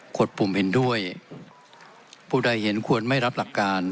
ดปุ่มเห็นด้วยผู้ใดเห็นควรไม่รับหลักการ